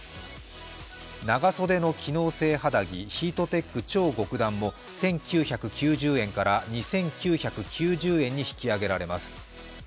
長袖の機能性肌着・ヒートテック超極暖も１９９０円から２９９０円に引き上げられます。